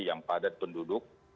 yang padat penduduk